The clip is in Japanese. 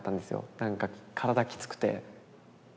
なんか体きつくて。